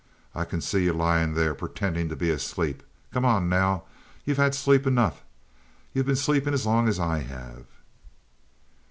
I can see yuh, lyin' there, pertendin' to be asleep. Come on, now! You've had sleep enough. You've been sleepin' as long as I have."